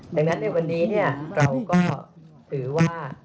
ดังนั้นในวันนี้เราก็ถือว่า